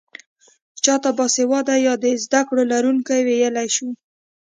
چا ته باسواده يا د زده کړو لرونکی ويلی شو؟